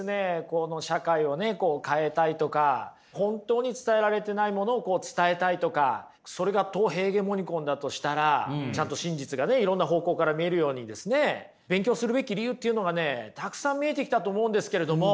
この社会を変えたいとか本当に伝えられてないものを伝えたいとかそれがト・ヘーゲモニコンだとしたらちゃんと真実がねいろんな方向から見えるようにですね勉強するべき理由っていうのがねたくさん見えてきたと思うんですけれども。